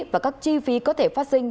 và các chi phí có thể phát sinh